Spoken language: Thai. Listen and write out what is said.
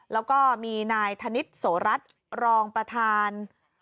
แล้วก็มีนายธนิษฐ์โสรัตน์รองประธาน